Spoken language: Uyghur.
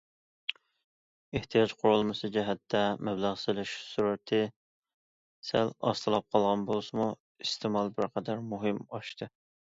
ئېھتىياج قۇرۇلمىسى جەھەتتە، مەبلەغ سېلىش سۈرئىتى سەل ئاستىلاپ قالغان بولسىمۇ، ئىستېمال بىرقەدەر مۇقىم ئاشتى.